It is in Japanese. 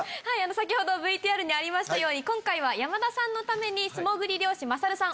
先ほどＶＴＲにありましたように今回は山田さんのために。